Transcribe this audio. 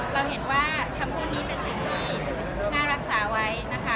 เราเห็นว่าคำพูดนี้เป็นสิ่งที่น่ารักษาไว้นะคะ